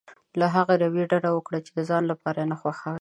له هغې رويې ډډه وکړي چې د ځان لپاره نه خوښوي.